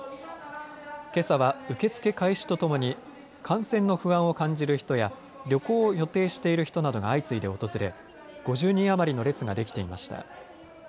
けさは受付開始とともに感染の不安を感じる人や旅行を予定している人などが相次いで訪れ、５０人余りの列ができていました。